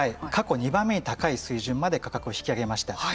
過去２番目に高い水準まで価格を引き上げました。